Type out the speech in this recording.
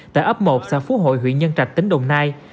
tại ấp một xã phú hội huyện nhân trạch tỉnh đồng nai